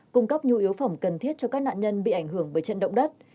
cung cấp nhu yếu phẩm cần thiết cho các nạn nhân bị ảnh hưởng bởi trận động đất